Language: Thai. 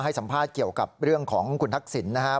ให้สัมภาษณ์เกี่ยวกับเรื่องของคุณทักษิณนะครับ